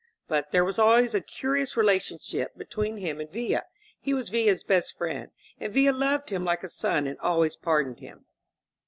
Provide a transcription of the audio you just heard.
But there was always a curious relationship between him and Villa. He was Villa's best friend; and Villa loved him like a son and always pardoned him.